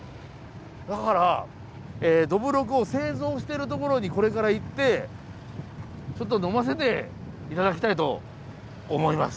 だからどぶろくを製造してる所にこれから行ってちょっと呑ませて頂きたいと思います。